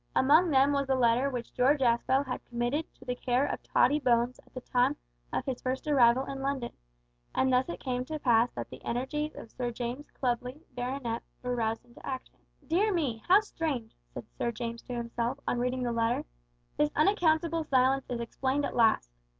Among them was the letter which George Aspel had committed to the care of Tottie Bones at the time of his first arrival in London, and thus it came to pass that the energies of Sir James Clubley, Baronet, were roused into action. "Dear me! how strange!" said Sir James to himself, on reading the letter. "This unaccountable silence is explained at last.